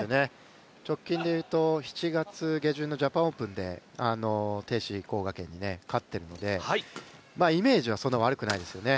直近でいうと、７月下旬のジャパンオープンで鄭思緯・黄雅瓊に勝ってるんでイメージはそんな悪くないですよね。